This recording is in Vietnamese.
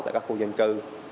tại các khu dân cư